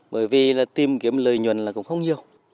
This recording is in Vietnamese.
bởi vì tìm kiếm lời nhuận cũng không nhiều